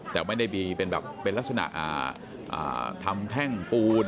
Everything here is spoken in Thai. แต่ไม่ได้มีเป็นแบบเป็นลักษณะทำแท่งปูน